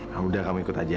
ya udah kamu ikut aja